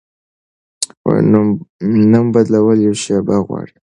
نوم بدول یوه شیبه غواړي.